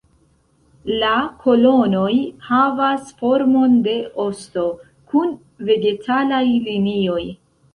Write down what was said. La kolonoj havas formon de osto, kun vegetalaj linioj.